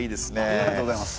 ありがとうございます。